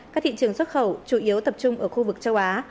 các thị trường xuất khẩu chủ yếu tập trung ở khu vực châu á